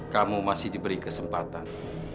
kamu masih diberi kesempatan